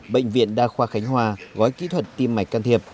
bệnh viện đa khoa khánh hòa gói kỹ thuật tim mạch can thiệp